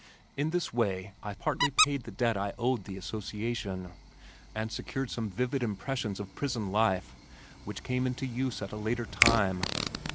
In this way I partly paid the debt I owed the Association, and secured some vivid impressions of prison life which came into use at a later time.